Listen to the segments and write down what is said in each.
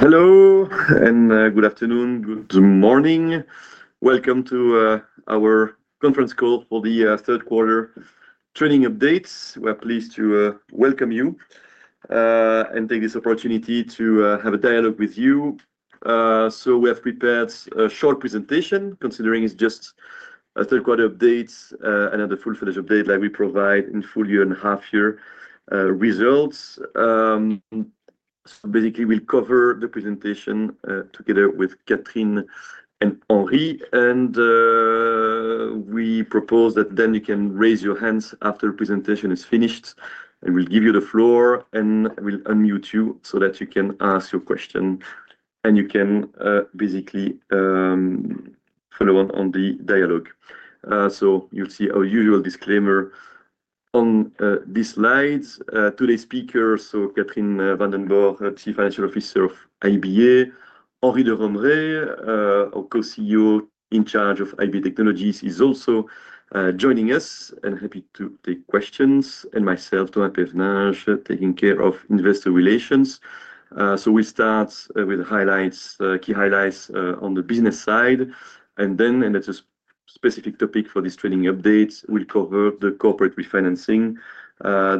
Hello, and good afternoon, good morning. Welcome to our conference call for the third quarter training updates. We're pleased to welcome you and take this opportunity to have a dialogue with you. We have prepared a short presentation, considering it's just a third quarter update and not a full-fledged update like we provide in full year and half-year results. Basically, we'll cover the presentation together with Catherine and Henri. We propose that you can raise your hands after the presentation is finished. I will give you the floor and will unmute you so that you can ask your question and you can basically follow on the dialogue. You'll see our usual disclaimer on these slides. Today's speakers, Catherine Vandenborre, Chief Financial Officer of IBA, Henri de Romrée, our co-CEO in charge of IBA Technologies, is also joining us and happy to take questions, and myself, Thomas Pevenage, taking care of investor relations. We will start with key highlights on the business side. That is a specific topic for this training update, we will cover the corporate refinancing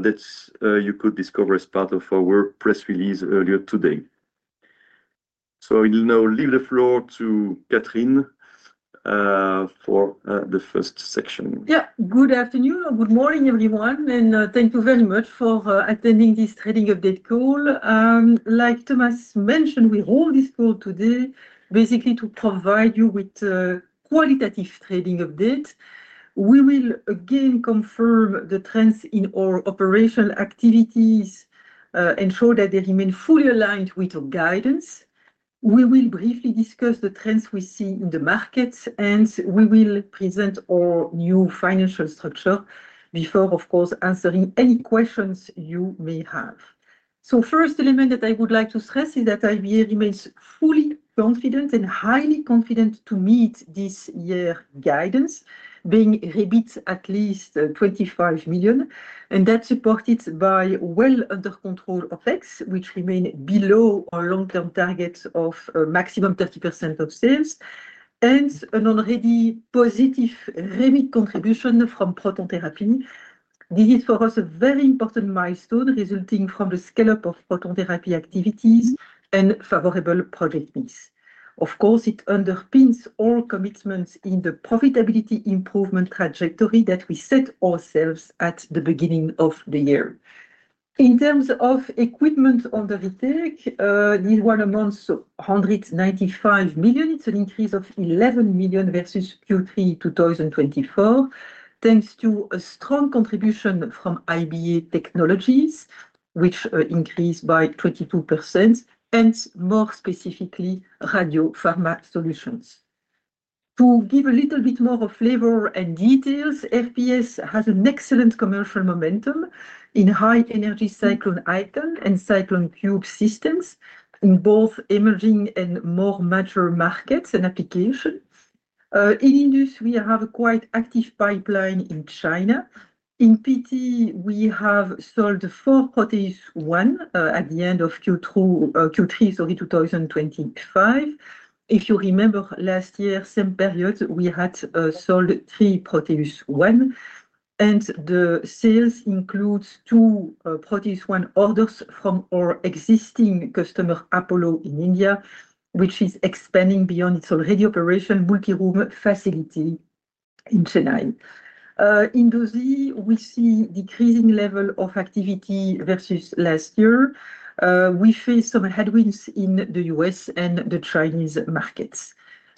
that you could discover as part of our press release earlier today. I will now leave the floor to Catherine for the first section. Yeah, good afternoon or good morning, everyone. Thank you very much for attending this training update call. Like Thomas mentioned, we hold this call today basically to provide you with a qualitative training update. We will again confirm the trends in our operational activities and show that they remain fully aligned with our guidance. We will briefly discuss the trends we see in the markets, and we will present our new financial structure before, of course, answering any questions you may have. The first element that I would like to stress is that IBA remains fully confident and highly confident to meet this year's guidance, being EBIT at least $25 million, and that's supported by well-under-control effects, which remain below our long-term targets of maximum 30% of sales, and an already positive EBIT contribution from Proton Therapy. This is, for us, a very important milestone resulting from the scale-up of Proton Therapy activities and favorable project needs. Of course, it underpins all commitments in the profitability improvement trajectory that we set ourselves at the beginning of the year. In terms of equipment under retake, this one amounts to 195 million. It is an increase of 11 million versus Q3 2024, thanks to a strong contribution from IBA Technologies, which increased by 22%, and more specifically, Radiopharma Solutions. To give a little bit more flavor and details, FPS has an excellent commercial momentum in high-energy Cyclone Icon and Cyclone Cube systems in both emerging and more mature markets and applications. In Industries, we have a quite active pipeline in China. In PT, we have sold four Proteus ONE at the end of Q3, sorry, 2025. If you remember last year, same period, we had sold three Proteus ONE, and the sales include two Proteus ONE orders from our existing customer, Apollo, in India, which is expanding beyond its already operational multi-room facility in Chennai. In Dosimetry, we see a decreasing level of activity versus last year. We face some headwinds in the U.S. and the Chinese markets.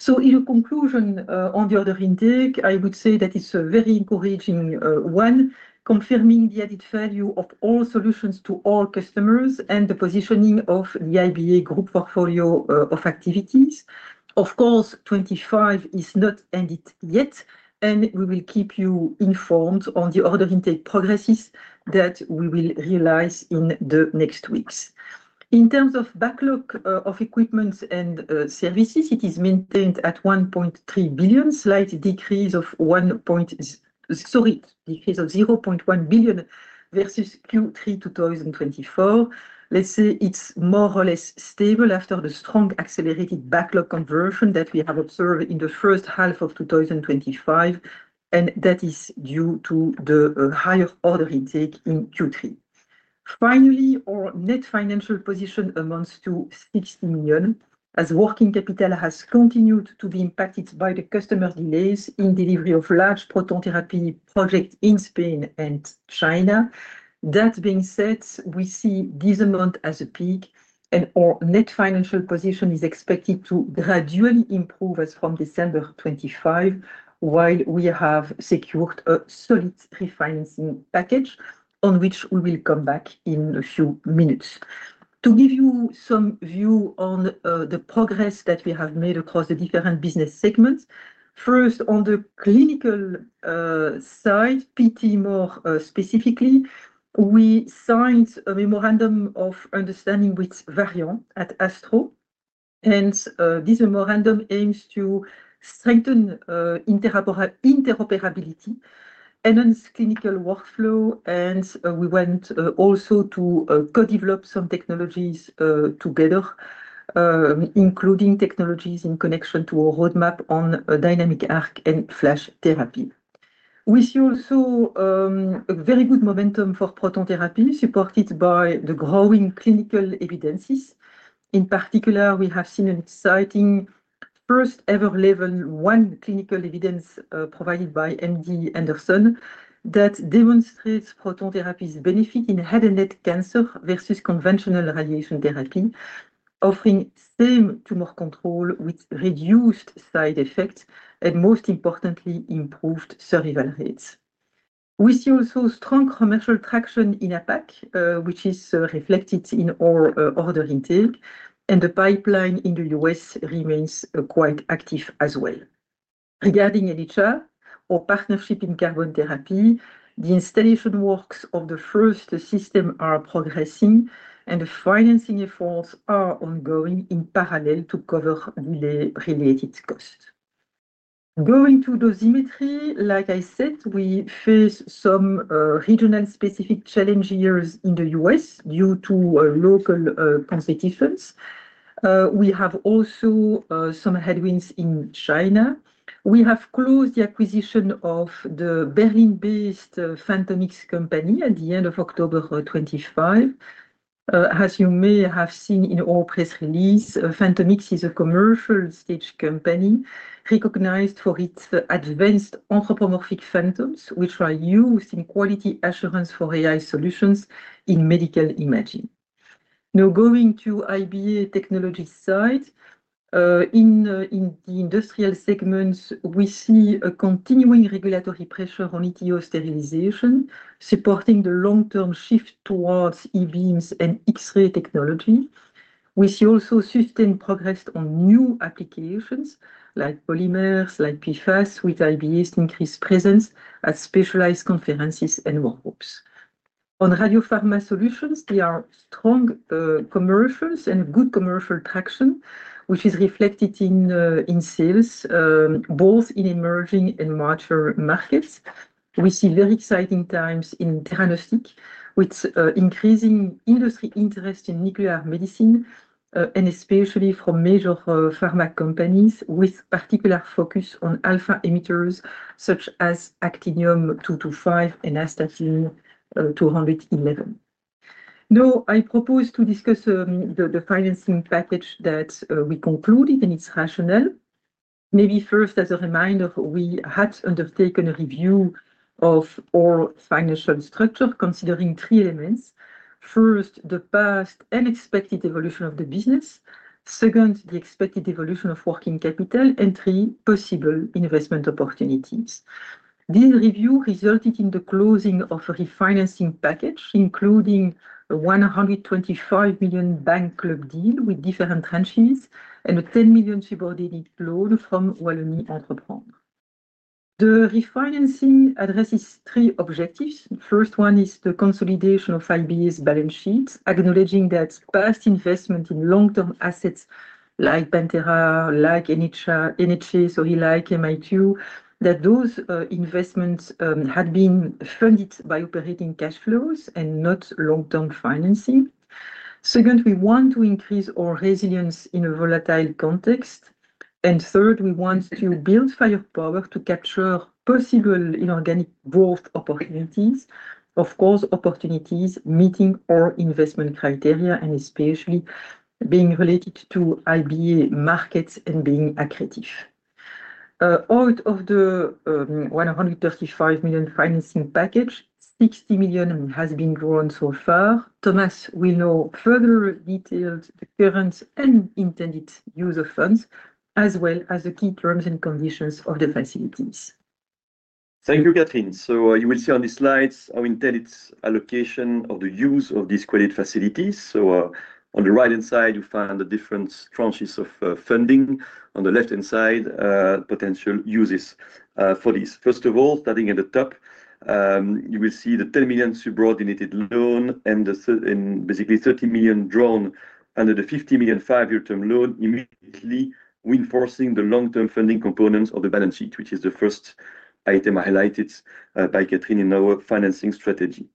In conclusion, on the order intake, I would say that it is a very encouraging one, confirming the added value of all solutions to all customers and the positioning of the IBA Group portfolio of activities. Of course, 2025 is not ended yet, and we will keep you informed on the order intake progresses that we will realize in the next weeks. In terms of backlog of equipment and services, it is maintained at 1.3 billion, slight decrease of 0.1 billion versus Q3 2024. Let's say it's more or less stable after the strong accelerated backlog conversion that we have observed in the first half of 2025, and that is due to the higher order intake in Q3. Finally, our net financial position amounts to 60 million as working capital has continued to be impacted by the customer delays in delivery of large Proton Therapy projects in Spain and China. That being said, we see this amount as a peak, and our net financial position is expected to gradually improve from December 2025, while we have secured a solid refinancing package on which we will come back in a few minutes. To give you some view on the progress that we have made across the different business segments, first, on the clinical side, PT more specifically, we signed a memorandum of understanding with Varian at ASTRO. This memorandum aims to strengthen interoperability, enhance clinical workflow, and we went also to co-develop some technologies together, including technologies in connection to our roadmap on dynamic ARC and flash therapy. We see also a very good momentum for Proton Therapy supported by the growing clinical evidences. In particular, we have seen an exciting first-ever level one clinical evidence provided by MD Anderson that demonstrates Proton Therapy's benefit in head and neck cancer versus conventional radiation therapy, offering same tumor control with reduced side effects and, most importantly, improved survival rates. We see also strong commercial traction in APAC, which is reflected in our order intake, and the pipeline in the U.S. remains quite active as well. Regarding ELITRA, our partnership in carbon therapy, the installation works of the first system are progressing, and the financing efforts are ongoing in parallel to cover related costs. Going to dosimetry, like I said, we face some regional specific challenges in the U.S. due to local competitions. We have also some headwinds in China. We have closed the acquisition of the Berlin-based Phantomics company at the end of October 2025. As you may have seen in our press release, Phantomics is a commercial stage company recognized for its advanced anthropomorphic phantoms, which are used in quality assurance for AI solutions in medical imaging. Now, going to IBA technology side, in the industrial segments, we see a continuing regulatory pressure on ETO sterilization, supporting the long-term shift towards E-beams and X-ray technology. We see also sustained progress on new applications like polymers, like PFAS, with IBA's increased presence at specialized conferences and work groups. On Radiopharma Solutions, there are strong commercials and good commercial traction, which is reflected in sales both in emerging and mature markets. We see very exciting times in theranostics with increasing industry interest in nuclear medicine, and especially from major pharma companies with particular focus on alpha emitters such as Actinium-225 and Astatine-211. Now, I propose to discuss the financing package that we concluded, and its rationale. Maybe first, as a reminder, we had undertaken a review of our financial structure considering three elements. First, the past and expected evolution of the business. Second, the expected evolution of working capital, and three, possible investment opportunities. This review resulted in the closing of a refinancing package, including a 125 million bank club deal with different tranches and a 10 million subordinated loan from Wallonie Entreprendre. The refinancing addresses three objectives. The first one is the consolidation of IBA's balance sheets, acknowledging that past investment in long-term assets like Pentera, like NHA, sorry, like MIQ, that those investments had been funded by operating cash flows and not long-term financing. Second, we want to increase our resilience in a volatile context. Third, we want to build firepower to capture possible inorganic growth opportunities, of course, opportunities meeting our investment criteria and especially being related to IBA markets and being accretive. Out of the 135 million financing package, 60 million has been drawn so far. Thomas will now further detail the current and intended use of funds, as well as the key terms and conditions of the facilities. Thank you, Catherine. You will see on these slides our intended allocation of the use of these credit facilities. On the right-hand side, you find the different tranches of funding. On the left-hand side, potential uses for these. First of all, starting at the top, you will see the 10 million subordinated loan and basically 30 million drawn under the 50 million five-year term loan, immediately reinforcing the long-term funding components of the balance sheet, which is the first item highlighted by Catherine in our financing strategy.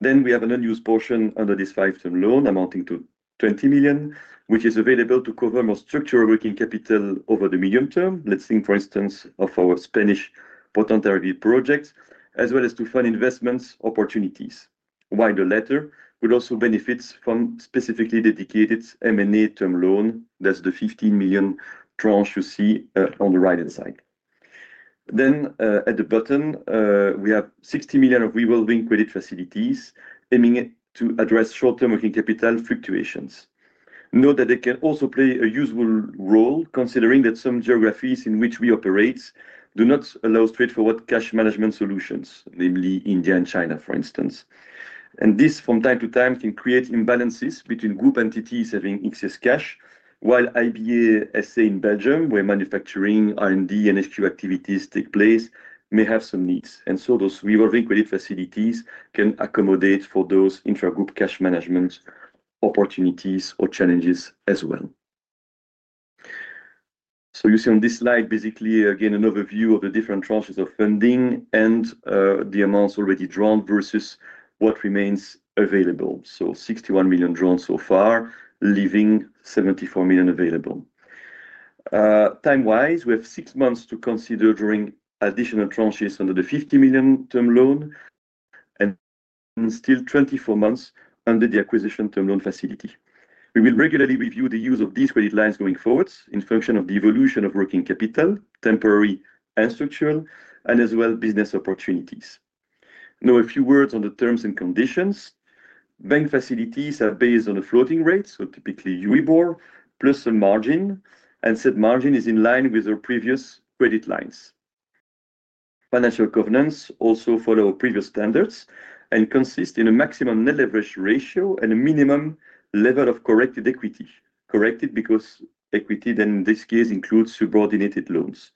We have an unused portion under this five-year term loan amounting to 20 million, which is available to cover more structural working capital over the medium term, let's think, for instance, of our Spanish Proton Therapy project, as well as to fund investment opportunities. While the latter would also benefit from specifically dedicated M&A term loan, that's the $15 million tranche you see on the right-hand side. At the bottom, we have $60 million of revolving credit facilities aiming to address short-term working capital fluctuations. Note that they can also play a useful role, considering that some geographies in which we operate do not allow straightforward cash management solutions, namely India and China, for instance. This, from time to time, can create imbalances between group entities having excess cash, while IBA, SA in Belgium, where manufacturing, R&D, and SQ activities take place, may have some needs. Those revolving credit facilities can accommodate for those intra-group cash management opportunities or challenges as well. You see on this slide, basically, again, an overview of the different tranches of funding and the amounts already drawn versus what remains available. $61 million drawn so far, leaving $74 million available. Time-wise, we have six months to consider drawing additional tranches under the $50 million term loan and still 24 months under the acquisition term loan facility. We will regularly review the use of these credit lines going forward in function of the evolution of working capital, temporary and structural, and as well business opportunities. Now, a few words on the terms and conditions. Bank facilities are based on a floating rate, so typically EURIBOR, plus a margin, and said margin is in line with our previous credit lines. Financial covenants also follow our previous standards and consist in a maximum net leverage ratio and a minimum level of corrected equity. Corrected because equity then, in this case, includes subordinated loans.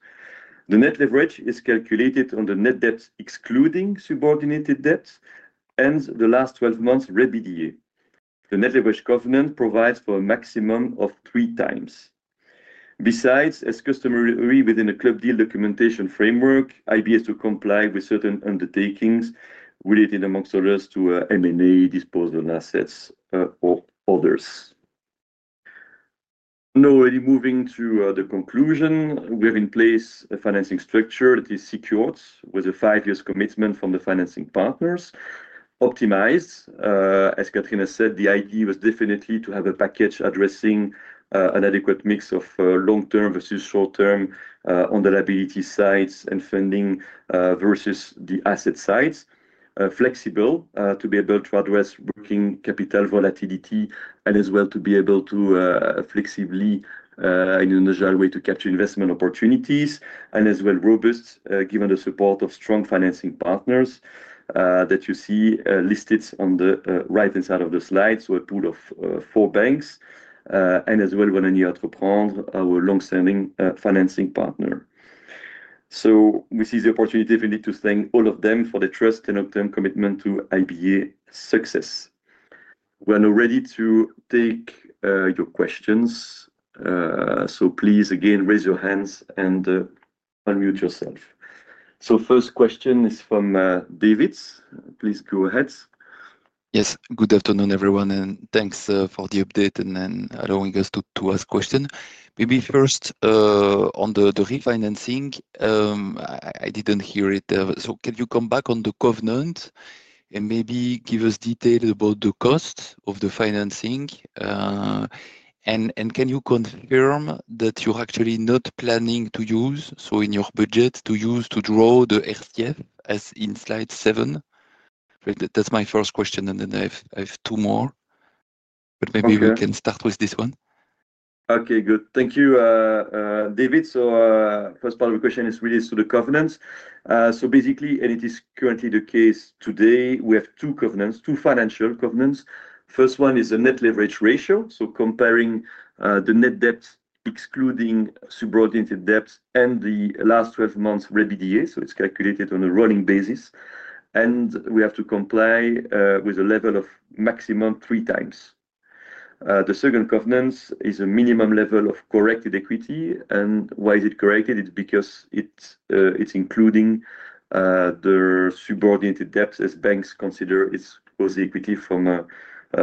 The net leverage is calculated on the net debt excluding subordinated debt and the last 12 months' remedial. The net leverage covenant provides for a maximum of three times. Besides, as customary within a club deal documentation framework, IBA has to comply with certain undertakings related amongst others to M&A, disposal assets, or others. Now, already moving to the conclusion, we have in place a financing structure that is secured with a five-year commitment from the financing partners. Optimized, as Catherine has said, the idea was definitely to have a package addressing an adequate mix of long-term versus short-term on the liability sides and funding versus the asset sides. Flexible to be able to address working capital volatility and as well to be able to flexibly in a natural way to capture investment opportunities and as well robust given the support of strong financing partners that you see listed on the right-hand side of the slide. A pool of four banks and as well Wallonie Entreprendre, our long-standing financing partner. We see the opportunity if we need to thank all of them for the trust and long-term commitment to IBA success. We are now ready to take your questions. Please again, raise your hands and unmute yourself. First question is from David. Please go ahead. Yes, good afternoon, everyone, and thanks for the update and allowing us to ask questions. Maybe first on the refinancing, I did not hear it. Can you come back on the covenant and maybe give us details about the cost of the financing? Can you confirm that you are actually not planning to use, so in your budget, to use to draw the RCF as in slide seven? That is my first question, and then I have two more. Maybe we can start with this one. Okay, good. Thank you, David. The first part of the question is related to the covenants. Basically, and it is currently the case today, we have two covenants, two financial covenants. The first one is a net leverage ratio, so comparing the net debt excluding subordinated debt and the last 12 months' remedial. It is calculated on a rolling basis, and we have to comply with a level of maximum three times. The second covenant is a minimum level of corrected equity. Why is it corrected? It is because it is including the subordinated debts as banks consider it is equity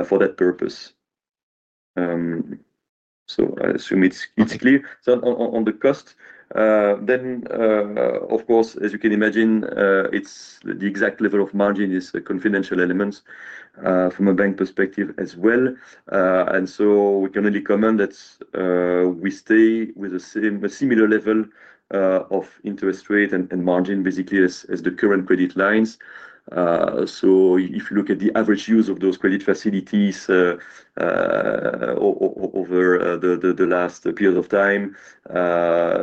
for that purpose. I assume it is clear. On the cost, then, of course, as you can imagine, the exact level of margin is a confidential element from a bank perspective as well. We can only comment that we stay with a similar level of interest rate and margin, basically as the current credit lines. If you look at the average use of those credit facilities over the last period of time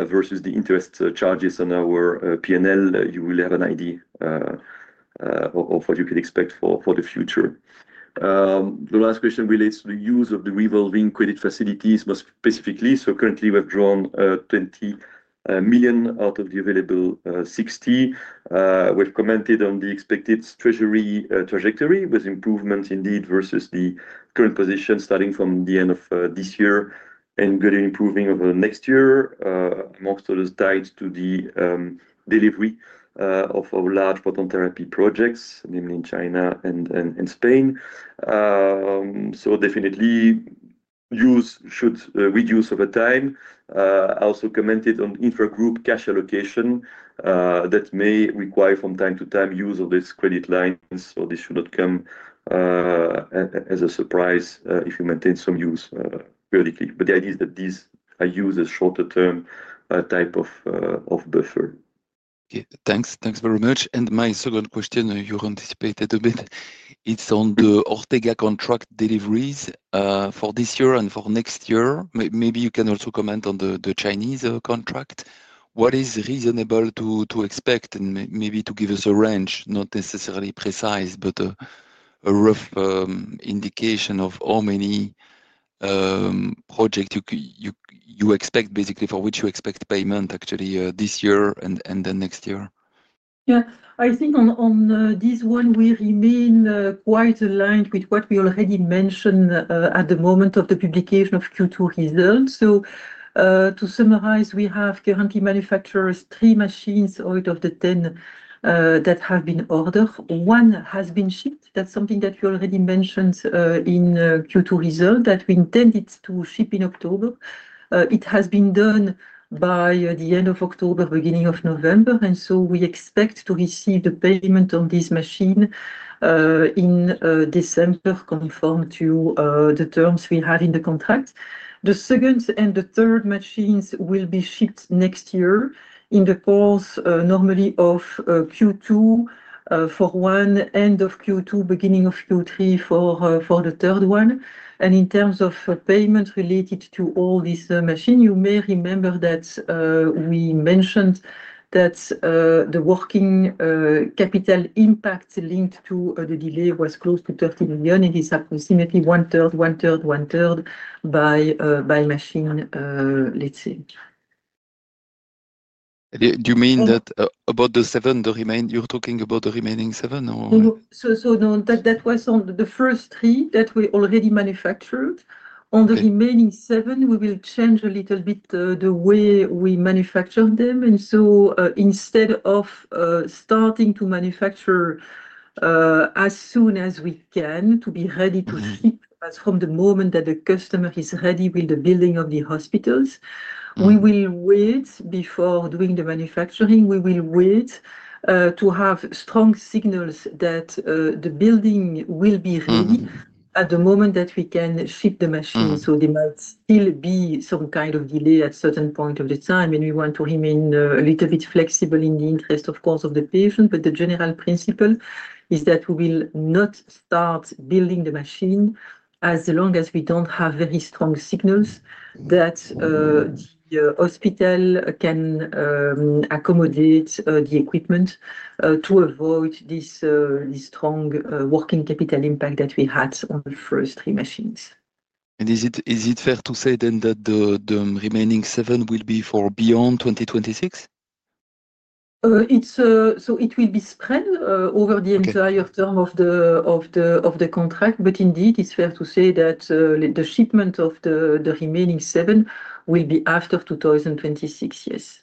versus the interest charges on our P&L, you will have an idea of what you can expect for the future. The last question relates to the use of the revolving credit facilities most specifically. Currently, we've drawn $20 million out of the available $60 million. We've commented on the expected treasury trajectory with improvements indeed versus the current position starting from the end of this year and improving over the next year, amongst others tied to the delivery of large Proton Therapy projects, namely in China and Spain. Definitely, use should reduce over time. I also commented on intra-group cash allocation that may require from time to time use of these credit lines, so this should not come as a surprise if you maintain some use periodically. The idea is that these are used as shorter-term type of buffer. Thanks very much. My second question, you anticipated a bit, it's on the Ortega contract deliveries for this year and for next year. Maybe you can also comment on the Chinese contract. What is reasonable to expect and maybe to give us a range, not necessarily precise, but a rough indication of how many projects you expect, basically for which you expect payment actually this year and then next year? Yeah, I think on this one, we remain quite aligned with what we already mentioned at the moment of the publication of Q2 results. To summarize, we have currently manufactured three machines out of the 10 that have been ordered. One has been shipped. That's something that you already mentioned in Q2 result that we intended to ship in October. It has been done by the end of October, beginning of November. We expect to receive the payment on this machine in December, conformed to the terms we have in the contract. The second and the third machines will be shipped next year in the course normally of Q2 for one, end of Q2, beginning of Q3 for the third one. In terms of payments related to all these machines, you may remember that we mentioned that the working capital impact linked to the delay was close to $30 million, and it's approximately one-third, one-third, one-third by machine, let's say. Do you mean that about the seven, the remain, you're talking about the remaining seven or? No, that was on the first three that we already manufactured. On the remaining seven, we will change a little bit the way we manufacture them. Instead of starting to manufacture as soon as we can to be ready to ship from the moment that the customer is ready with the building of the hospitals, we will wait before doing the manufacturing. We will wait to have strong signals that the building will be ready at the moment that we can ship the machine. There might still be some kind of delay at a certain point of the time, and we want to remain a little bit flexible in the interest, of course, of the patient. The general principle is that we will not start building the machine as long as we don't have very strong signals that the hospital can accommodate the equipment to avoid this strong working capital impact that we had on the first three machines. Is it fair to say then that the remaining seven will be for beyond 2026? It will be spread over the entire term of the contract. Indeed, it's fair to say that the shipment of the remaining seven will be after 2026, yes.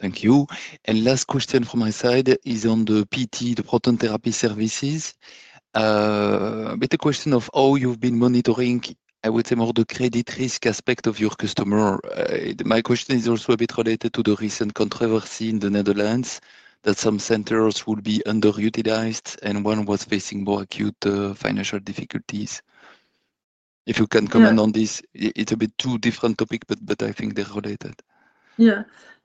Thank you. Last question from my side is on the PT, the Proton Therapy Services. A bit a question of how you've been monitoring, I would say, more the credit risk aspect of your customer. My question is also a bit related to the recent controversy in the Netherlands that some centers will be underutilized and one was facing more acute financial difficulties. If you can comment on this, it's a bit two different topics, but I think they're related. Yeah.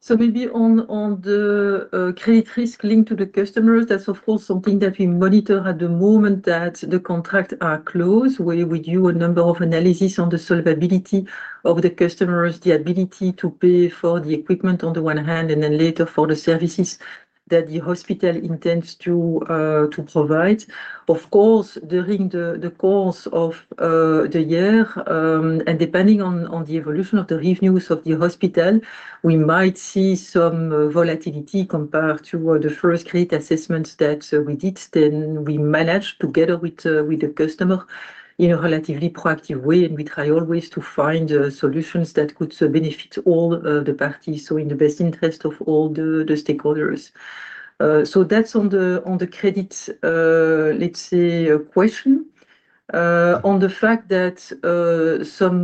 Maybe on the credit risk linked to the customers, that's of course something that we monitor at the moment that the contracts are closed. We do a number of analyses on the solvability of the customers, the ability to pay for the equipment on the one hand, and then later for the services that the hospital intends to provide. Of course, during the course of the year, and depending on the evolution of the revenues of the hospital, we might see some volatility compared to the first credit assessments that we did. We manage together with the customer in a relatively proactive way, and we try always to find solutions that could benefit all the parties, in the best interest of all the stakeholders. That's on the credit, let's say, question. On the fact that some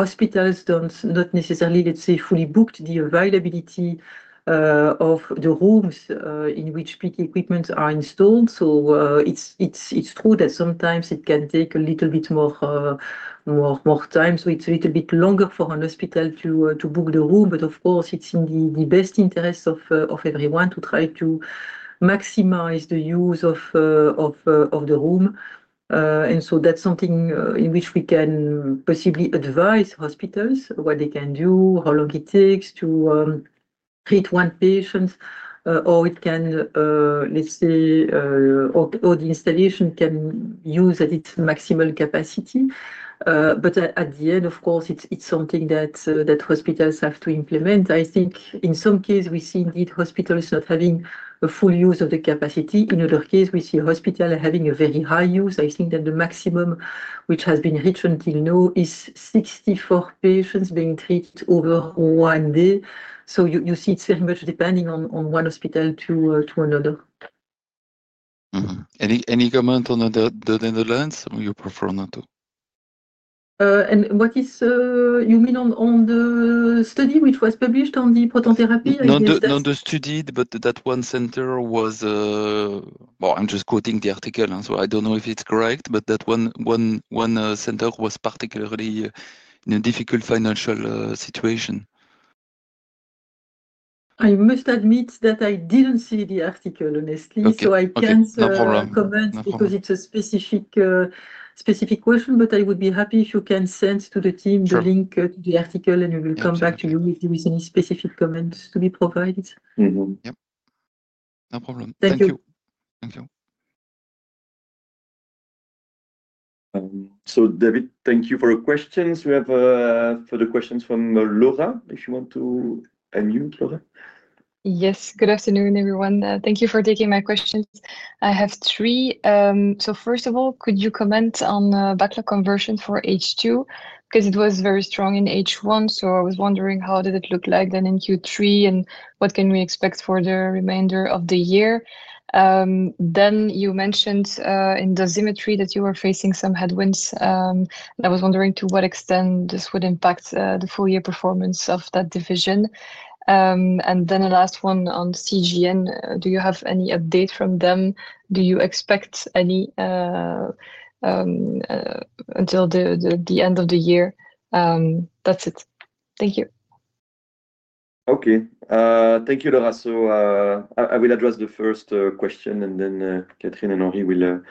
hospitals do not necessarily, let's say, fully book the availability of the rooms in which PT equipment are installed. It is true that sometimes it can take a little bit more time. It is a little bit longer for a hospital to book the room. Of course, it is in the best interest of everyone to try to maximize the use of the room. That is something in which we can possibly advise hospitals what they can do, how long it takes to treat one patient, or it can, let's say, or the installation can use at its maximal capacity. At the end, of course, it is something that hospitals have to implement. I think in some cases, we see indeed hospitals not having a full use of the capacity. In other cases, we see hospitals having a very high use. I think that the maximum which has been reached until now is 64 patients being treated over one day. You see it's very much depending on one hospital to another. Any comment on the Netherlands? You prefer not to. What is you mean on the study which was published on the Proton Therapy? Not the study, but that one center was, well, I'm just quoting the article. I don't know if it's correct, but that one center was particularly in a difficult financial situation. I must admit that I didn't see the article, honestly. I can't comment because it's a specific question, but I would be happy if you can send to the team the link to the article, and we will come back to you if there is any specific comments to be provided. Yep. No problem. Thank you. Thank you. Thank you. David, thank you for your questions. We have further questions from Laura, if you want to unmute, Laura. Yes. Good afternoon, everyone. Thank you for taking my questions. I have three. First of all, could you comment on backlog conversion for H2? Because it was very strong in H1, I was wondering how did it look like in Q3 and what can we expect for the remainder of the year? You mentioned in dosimetry that you were facing some headwinds. I was wondering to what extent this would impact the full year performance of that division. The last one on CGN, do you have any update from them? Do you expect any until the end of the year? That's it. Thank you. Okay. Thank you, Laura. I will address the first question, and then Catherine and Henri will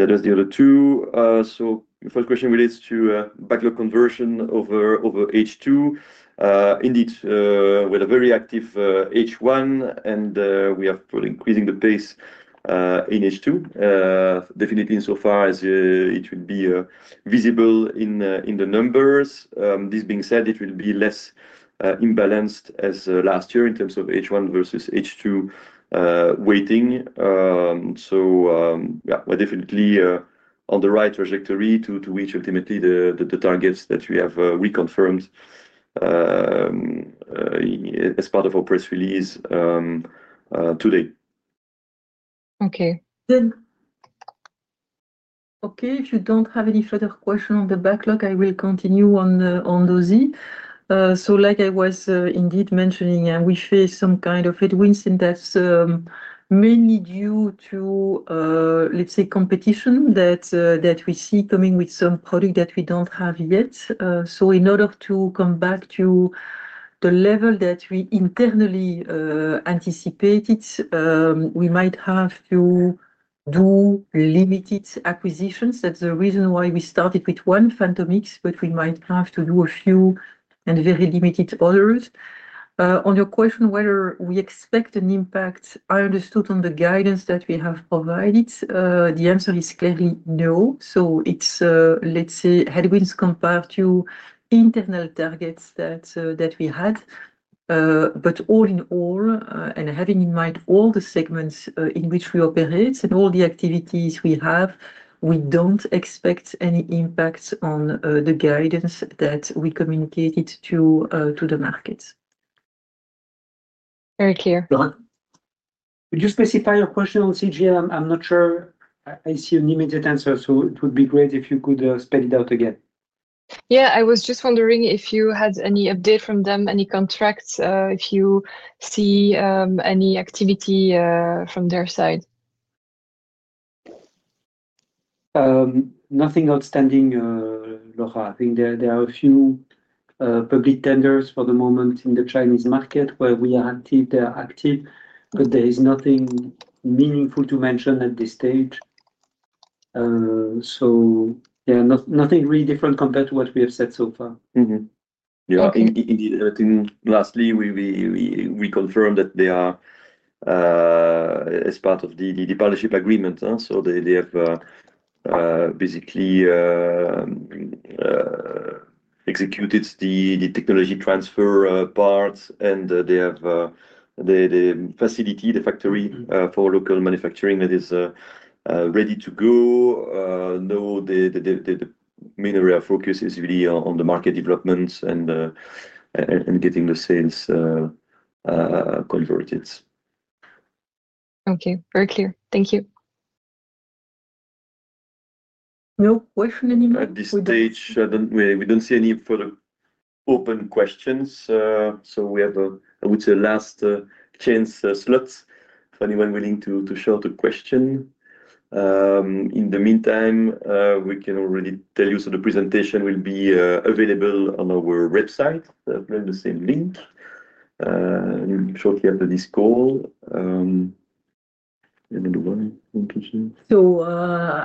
address the other two. The first question relates to backlog conversion over H2. Indeed, we're very active H1, and we are increasing the pace in H2. Definitely in so far as it will be visible in the numbers. This being said, it will be less imbalanced as last year in terms of H1 versus H2 weighting. Yeah, we're definitely on the right trajectory to reach ultimately the targets that we have reconfirmed as part of our press release today. Okay. Okay. If you do not have any further questions on the backlog, I will continue on Dosi. Like I was indeed mentioning, we face some kind of headwinds and that is mainly due to, let's say, competition that we see coming with some product that we do not have yet. In order to come back to the level that we internally anticipated, we might have to do limited acquisitions. That is the reason why we started with one Phantomics, but we might have to do a few and very limited orders. On your question whether we expect an impact, I understood on the guidance that we have provided, the answer is clearly no. It is, let's say, headwinds compared to internal targets that we had. All in all, and having in mind all the segments in which we operate and all the activities we have, we don't expect any impact on the guidance that we communicated to the market. Very clear. Laura, could you specify your question on CGM? I'm not sure I see an immediate answer, so it would be great if you could spell it out again. Yeah. I was just wondering if you had any update from them, any contracts, if you see any activity from their side. Nothing outstanding, Laura. I think there are a few public tenders for the moment in the Chinese market where we are active. There is nothing meaningful to mention at this stage. Yeah, nothing really different compared to what we have said so far. Yeah. Indeed. Lastly, we confirm that they are as part of the partnership agreement. So they have basically executed the technology transfer part, and they have the facility, the factory for local manufacturing that is ready to go. No, the main area of focus is really on the market development and getting the sales converted. Okay. Very clear. Thank you. No question anymore? At this stage, we don't see any further open questions. We have, I would say, last chance slot for anyone willing to share the question. In the meantime, we can already tell you that the presentation will be available on our website, the same link shortly after this call. Anyone want to share?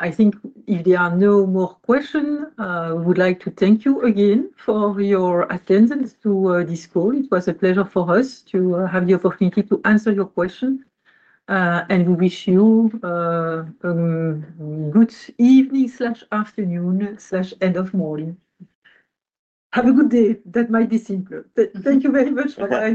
I think if there are no more questions, we would like to thank you again for your attendance to this call. It was a pleasure for us to have the opportunity to answer your questions. We wish you a good evening/afternoon/end of morning. Have a good day. That might be simpler. Thank you very much for.